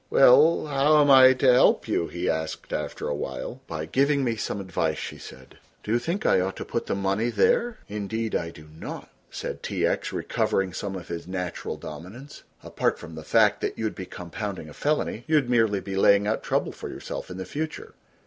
"Well, how am I to help you!" he asked after a while. "By giving me some advice," she said; "do you think I ought to put the money there!" "Indeed I do not," said T. X., recovering some of his natural dominance; "apart from the fact that you would be compounding a felony, you would merely be laying out trouble for yourself in the future.